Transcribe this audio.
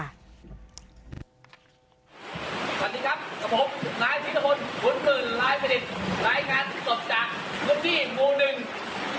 สวัสดีครับกับผมร้านพิธีพลศพุทธภูมิร้านพระดิษฐ์